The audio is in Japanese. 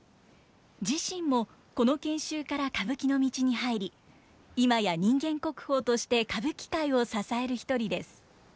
自身もこの研修から歌舞伎の道に入り今や人間国宝として歌舞伎界を支える一人です。